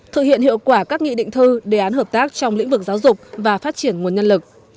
thực hiện hiệu quả các nghị định thư đề án hợp tác trong lĩnh vực giáo dục và phát triển nguồn nhân lực